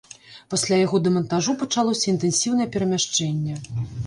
Пасля яго дэмантажу пачалося інтэнсіўнае перамяшчэнне.